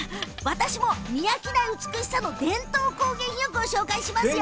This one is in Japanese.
私も見飽きない美しさの伝統工芸品をご紹介しますよ。